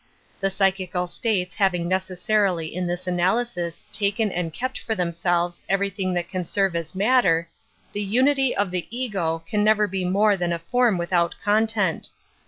The psychical states having necessarily in this analysis taken and kept for themselves everything that can serve as matter, the ;" unity of the ego " can never be more than a form without content.